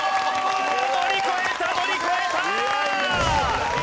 乗り越えた乗り越えた！